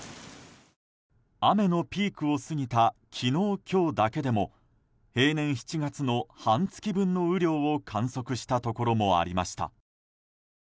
雨のピークを過ぎた昨日、今日だけでも平年７月の半月分の雨量を観測したところもありました。